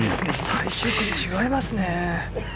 最終組、違いますね。